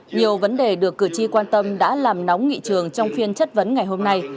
nhiều vấn đề được cử tri quan tâm đã làm nóng nghị trường trong phiên chất vấn ngày hôm nay